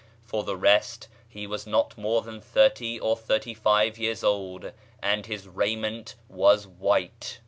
For the rest, he was not more than thirty or thirty five years old, and his raiment was white."